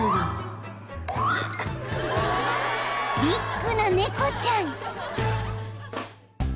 ［ビッグな猫ちゃん］